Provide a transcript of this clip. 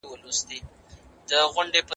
په فرانسه کي د ځان وژنې کچه سنجول سوې ده.